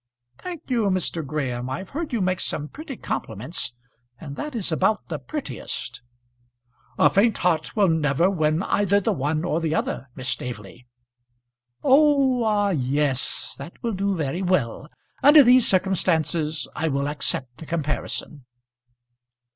"Thank you, Mr. Graham. I've heard you make some pretty compliments, and that is about the prettiest." "A faint heart will never win either the one or the other, Miss Staveley." "Oh, ah, yes. That will do very well. Under these circumstances I will accept the comparison."